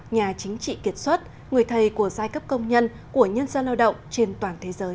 nhà chính trị kiệt xuất người thầy của giai cấp công nhân của nhân dân lao động trên toàn thế giới